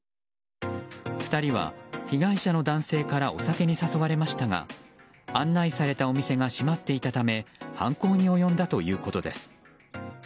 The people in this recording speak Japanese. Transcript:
２人は被害者の男性からお酒に誘われましたが案内されたお店が閉まっていたため犯行に及んだということです。